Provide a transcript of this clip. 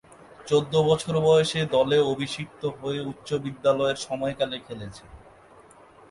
চৌদ্দ বছর বয়সে দলে অভিষিক্ত হয়ে উচ্চ বিদ্যালয়ের সময়কালে খেলেছেন।